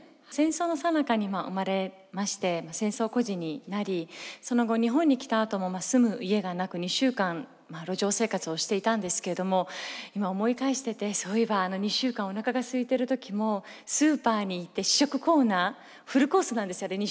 戦争のさなかに生まれまして戦争孤児になりその後日本に来たあとも住む家がなく２週間路上生活をしていたんですけれども今思い返しててそういえばあの２週間おなかがすいてる時もスーパーに行って試食コーナーフルコースなんですよ